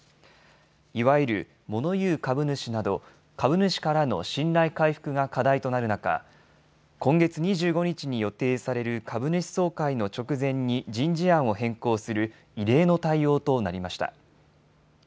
いわゆるモノ言う株主など株主からの信頼回復が課題となる中、今月２５日に予定される株主総会の直前に人事案を変更する異例の対応となりました。